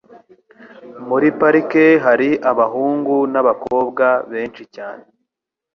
Muri parike hari abahungu nabakobwa benshi cyane.